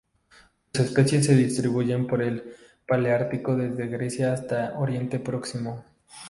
Sus especies se distribuyen por el paleártico desde Grecia hasta Oriente Próximo.